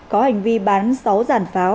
có hành vi bán sáu giàn pháo